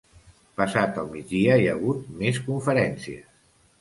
Passat el migdia hi ha hagut més conferències.